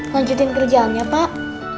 lanjutin kerjaannya pak